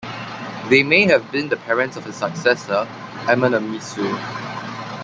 They may have been the parents of his successor Amenemnisu.